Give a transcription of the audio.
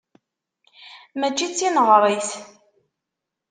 Mačči d tineɣrit.